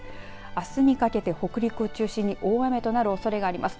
あすにかけて北陸を中心に大雨となるおそれがあります。